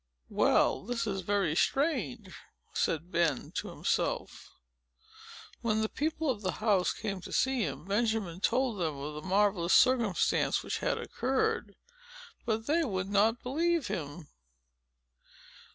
"Well, this is very strange!" said Ben to himself. When the people of the house came to see him, Benjamin told them of the marvellous circumstance which had occurred. But they would not believe him.